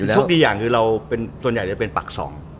โชคดีอย่างส่วนใหญ่เราก็จะเป็นปากส่อง